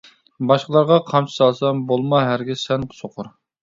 باشقىلارغا قامچا سالسام، بولما ھەرگىز سەن سوقۇر.